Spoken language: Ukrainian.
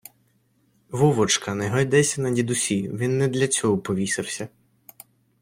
Вовочка, не гойдайся на дідусі, він не для цього повісився